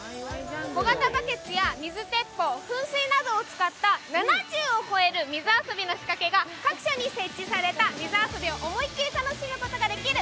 小型バケツや水鉄砲、噴水などを使った７０を超える水遊びの仕掛けが各所に設置された水遊びを思いっきり楽しむことができる